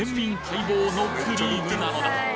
待望のクリームなのだ！